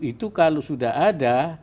itu kalau sudah ada